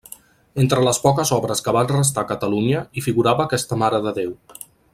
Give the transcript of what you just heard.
Entre les poques obres que van restar a Catalunya hi figurava aquesta Mare de Déu.